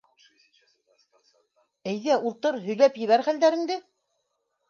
Әйҙә, ултыр, һөйләп ебәр хәлдәреңде.